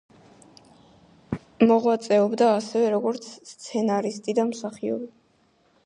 მოღვაწეობდა ასევე როგორც სცენარისტი და მსახიობი.